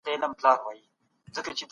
کله چي موږ لولو زموږ عقل پخېږي.